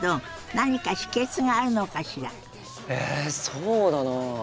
そうだな。